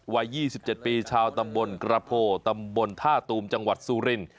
วัย๒๗ปีชาวตำบลกระโพตำบลท่าตูมจังหวัดสุริน